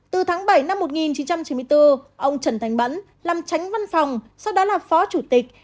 từ tháng bảy năm một nghìn chín trăm chín mươi bốn ông trần thành bấn làm tránh văn phòng sau đó là phó chủ tịch